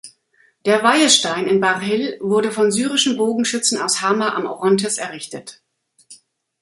Der Weihestein in Bar Hill wurde von syrischen Bogenschützen aus Hama am Orontes errichtet.